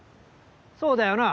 そうだよな？